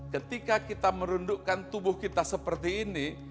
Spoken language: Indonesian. ketika kita merundukkan tubuh kita seperti ini